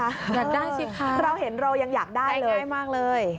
อยากได้สิคะได้ง่ายมากเลยเราเห็นเรายังอยากได้เลย